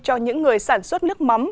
cho những người sản xuất nước mắm